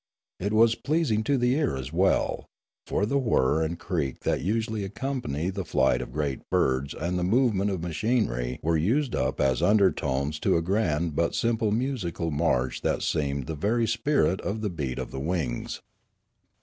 It was pleasing to the ear as well: for the whirr and creak that usually accompany the flight of great birds and the movement of machinery were used up as undertones to a grand but simple musical inarch that seemed the very spirit of the beat of the wings.